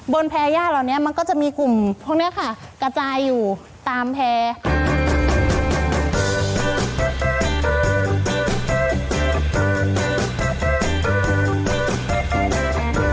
บนแผนย่าเหล่านี้ก็จะมีกลุ่มพวกนี้กระจายอยู่ตามแผน